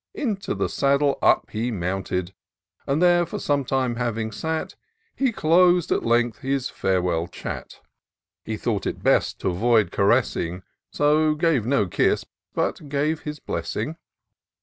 Into the saddle up he mounted. And there for some time having sat. He clos'd at length his &rewell chat. He thought it best t' avoid caressing ; So gave no kiss, but gave his blessing.